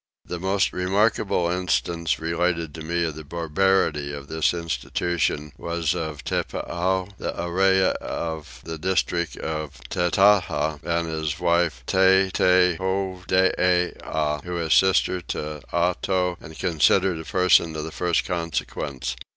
The most remarkable instance related to me of the barbarity of this institution was of Teppahoo, the Earee of the district of Tettaha, and his wife, Tetteehowdeeah, who is sister to Otow and considered as a person of the first consequence.